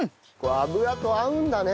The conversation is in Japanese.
油と合うんだね